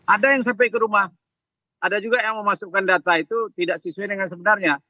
ada yang sampai ke rumah ada juga yang memasukkan data itu tidak sesuai dengan sebenarnya